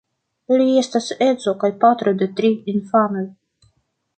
Li estas edzo kaj patro de tri infanoj.